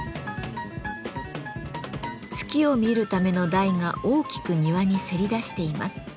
月を見るための台が大きく庭にせり出しています。